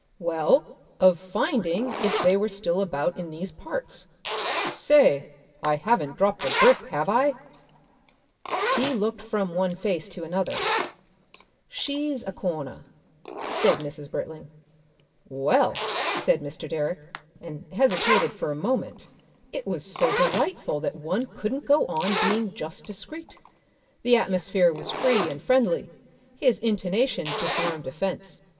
"Well, of finding if they were still about in these parts.... Say! I haven't dropped a brick, have I?" He looked from one face to another. "She's a Corner," said Mrs. Britling. "Well," said Mr. Direck, and hesitated for a moment. It was so delightful that one couldn't go on being just discreet. The atmosphere was free and friendly. His intonation disarmed offence.